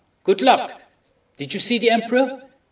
Good luck!... Did you see the Emperor?